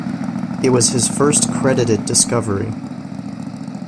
It was his first credited discovery.